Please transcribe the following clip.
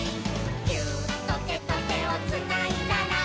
「ギューッとてとてをつないだら」